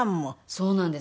そうなんです。